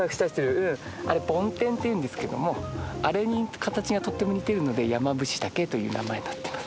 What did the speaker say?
うんあれ梵天っていうんですけどもあれに形がとっても似てるのでヤマブシタケという名前になってます。